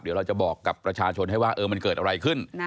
เดี๋ยวเราจะบอกกับประชาชนให้ว่ามันเกิดอะไรขึ้น